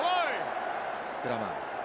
フラマン。